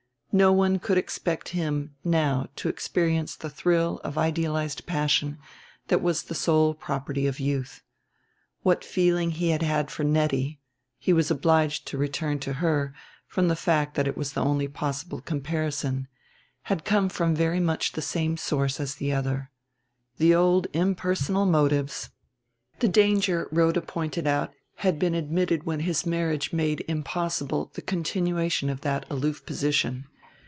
No one could expect him, now, to experience the thrill of idealized passion that was the sole property of youth. What feeling he had had for Nettie he was obliged to return to her from the fact that it was the only possible comparison had come from very much the same source as the other. The old impersonal motives! The danger, Rhoda pointed out, had been admitted when his marriage made impossible the continuation of that aloof position.